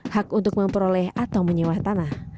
hak untuk memperoleh atau menyewa tanah